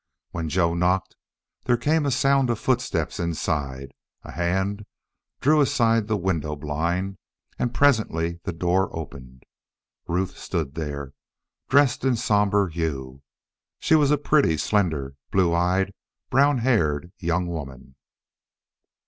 When Joe knocked there came a sound of footsteps inside, a hand drew aside the window blind, and presently the door opened. Ruth stood there, dressed in somber hue. She was a pretty, slender, blue eyed, brown haired young woman.